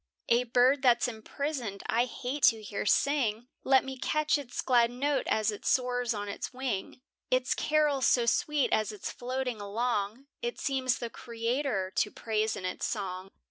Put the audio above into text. A bird that's imprisoned, I hate to hear sing, Let me catch its glad note as it soars on the wing; Its carol so sweet as it's floating along, It seems the Creator to praise in its song.